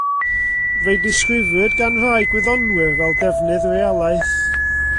Fe'i disgrifiwyd gan rai gwyddonwyr fel defnydd realaeth.